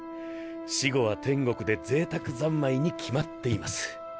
死後は天国で贅沢三昧に決まっています。